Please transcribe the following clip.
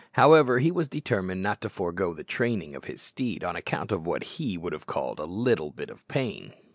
However, he was determined not to forego the training of his steed on account of what he would have called a "little bit pain."